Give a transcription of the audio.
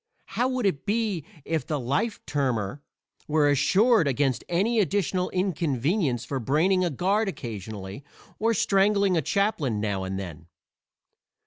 How would it be if the "life termer" were assured against any additional inconvenience for braining a guard occasionally, or strangling a chaplain now and then?